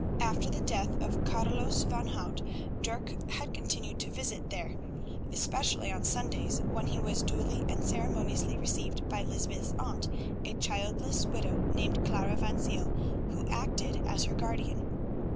After the death of Carolus van Hout, Dirk had continued to visit there, especially on Sundays, when he was duly and ceremoniously received by Lysbeth's aunt, a childless widow named Clara van Ziel, who acted as her guardian.